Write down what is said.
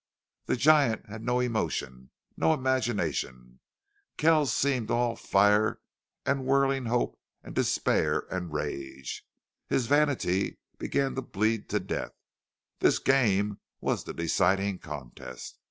The giant had no emotion, no imagination. And Kells seemed all fire and whirling hope and despair and rage. His vanity began to bleed to death. This game was the deciding contest.